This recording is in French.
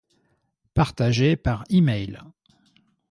Partager par e-mail